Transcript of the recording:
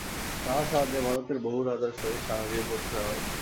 তাঁহার সাহায্যে ভারতের বহু রাজার সহিত স্বামীজীর পরিচয় হয়।